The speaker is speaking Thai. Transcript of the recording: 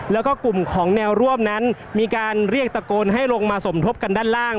แล้วก็กลุ่มของแนวร่วมนั้นมีการเรียกตะโกนให้ลงมาสมทบกันด้านล่าง